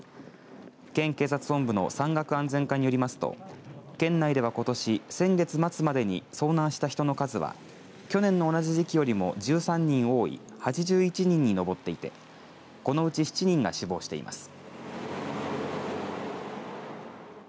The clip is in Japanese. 県警察本部の山岳安全課によりますと県内では、ことし先月末までに遭難した人の数は去年の同じ時期よりも１３人多い８１人に上っていてこのうち７人が死亡しています。